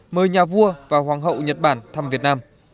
mời nhà vua và hoàng hậu nhật bản thăm việt nam